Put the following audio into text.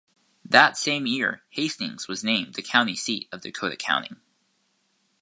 That same year Hastings was named the county seat of Dakota County.